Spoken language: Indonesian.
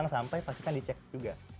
sampai pastikan dicek juga